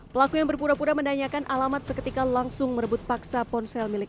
pelaku yang berpura pura menanyakan alamat seketika langsung merebut paksa ponsel milik